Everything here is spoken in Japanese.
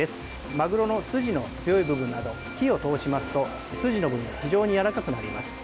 マグロの筋の強い部分など火を通しますと、筋の部分は非常にやわらかくなります。